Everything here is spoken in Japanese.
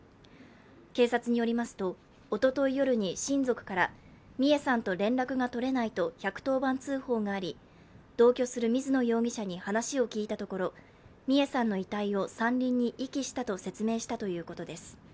警察によりますと、おととい夜に親族から美恵さんと連絡が取れないと１１０番通報があり同居する水野容疑者に話を聞いたところ美恵さんの遺体を山林に遺棄したと説明したということです。